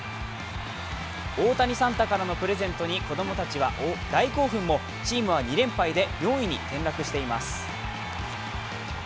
大谷サンタからのプレゼントに子どもたちは大興奮もチームは２連敗で４位に転落しています。